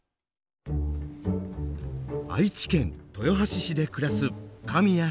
愛知県豊橋市で暮らす神谷詩織さん。